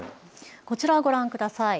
こちらをご覧ください。